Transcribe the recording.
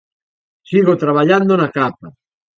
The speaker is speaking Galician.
Sigo traballando na capa.